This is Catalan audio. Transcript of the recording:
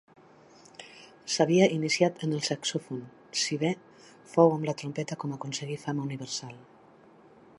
S'havia iniciat en el saxofon, si bé fou amb la trompeta com aconseguí fama universal.